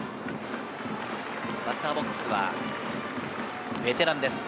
バッターボックスはベテランです。